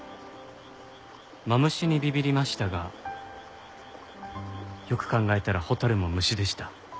マムシにビビりましたがよく考えたら蛍も虫でした。